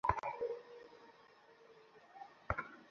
পরবর্তীতে তাঁর বিরুদ্ধে এমন অভিযোগ পাওয়া গেলে কঠোর ব্যবস্থা নেওয়া হবে।